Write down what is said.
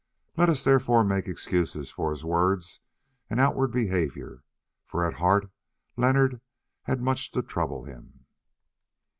Let us therefore make excuses for his words and outward behaviour, for at heart Leonard had much to trouble him.